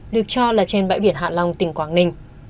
được cho là trên bãi biển hạ long tỉnh quảng ninh